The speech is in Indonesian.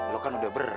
lo kan udah berat